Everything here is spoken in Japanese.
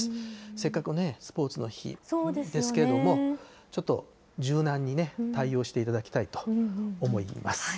せっかくのスポーツの日ですけれども、ちょっと柔軟に対応していただきたいと思います。